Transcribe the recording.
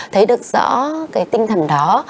thấy được rõ cái tinh thần đó